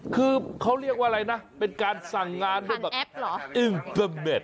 คือเขาเรียกว่าอะไรนะเป็นการสั่งงานอินเทอมเมรต